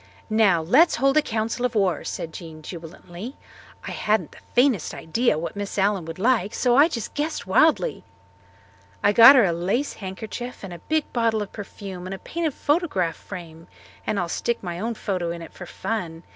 "Now, let's hold a council of war," said Jean jubilantly. "I hadn't the faintest idea what Miss Allen would like so I just guessed wildly. I got her a lace handkerchief and a big bottle of perfume and a painted photograph frame and I'll stick my own photo in it for fun.